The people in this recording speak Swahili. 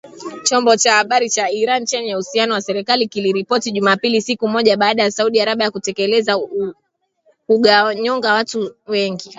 chombo cha habari cha Iran chenye uhusiano na serikali kiliripoti Jumapili, siku moja baada ya Saudi Arabia kutekeleza kuwanyonga watu wengi